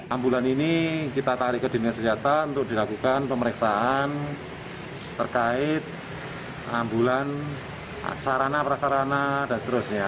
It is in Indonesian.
ambulan ini kita tarik ke dinas kesehatan untuk dilakukan pemeriksaan terkait ambulan sarana prasarana dan terusnya